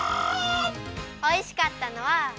おいしかったのは。